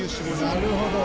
なるほど！